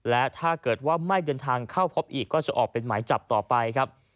และถ้าเกิดว่าไม่เดินทางเข้าพบอีกก็จะออกเป็นหมายจับต่อไปครับ